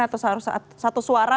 harus satu suara